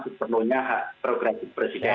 seperlunya progresif presiden